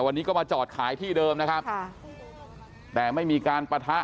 วันนี้ก็มาจอดขายที่เดิมนะครับค่ะแต่ไม่มีการปะทะ